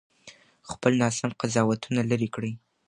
خپل ناسم قضاوتونه لرې کړئ.